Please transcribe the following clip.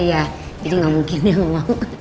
jadi gak mungkin ya mau